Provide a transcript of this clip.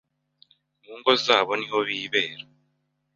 mu ngo zabo niho bibera